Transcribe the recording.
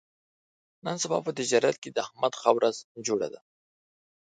نن سبا په تجارت کې د احمد ښه ورځ جوړه ده.